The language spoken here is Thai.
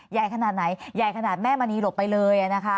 ใหญ่ขนาดไหนใหญ่ขนาดแม่มณีหลบไปเลยนะคะ